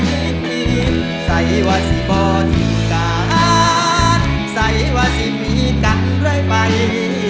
ใส่ว่าสิบอทิตาใส่ว่าสิมีกันตลอดไป